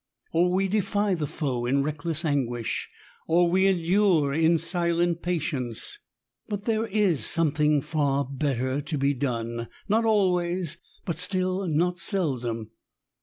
Or we defy the foe in reckless anguish, or we endure in silent patience. But there is something far better to be done, ? not always ; but still, not seldom.